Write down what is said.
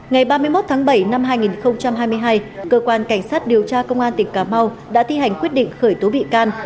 ngày ba mươi một tháng bảy năm hai nghìn hai mươi hai cơ quan cảnh sát điều tra công an tỉnh cà mau đã thi hành quyết định khởi tố bị can